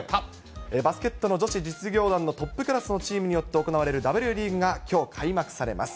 バスケットの女子実業団のトップクラスのチームで行われるＷリーグが、きょう開幕されます。